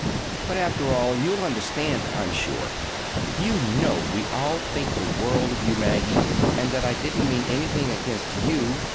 But, after all, you'll understand, I'm sure. You know we all think the world of you, Maggie, and that I didn't mean anything against you.